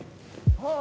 ああ！